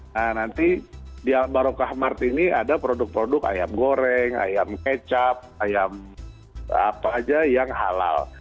nah nanti di al barokah mart ini ada produk produk ayam goreng ayam kecap ayam apa aja yang halal